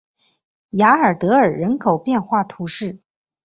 雅尔德尔人口变化图示